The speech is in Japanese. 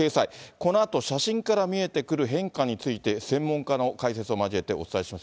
このあと写真から見えてくる変化について、専門家の解説を交えてお伝えします。